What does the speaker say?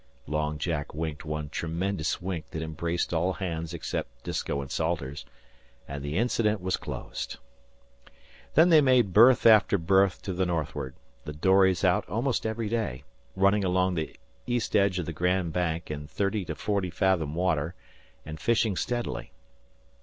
Long Jack winked one tremendous wink that embraced all hands except Disko and Salters, and the incident was closed. Then they made berth after berth to the northward, the dories out almost every day, running along the east edge of the Grand Bank in thirty to forty fathom water, and fishing steadily.